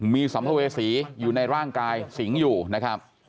มีสัมภเวษีอยู่ในร่างกายสิงห์อยู่นะครับ